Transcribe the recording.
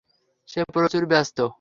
সে প্রচুর ব্যস্ত।